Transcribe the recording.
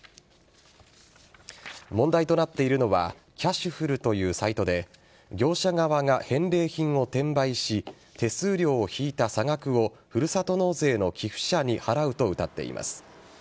問題となっているのはキャシュふるというサイトで業者側が返礼品を転売し手数料を引いた差額をふるさと納税の寄付者に払うとうたっています。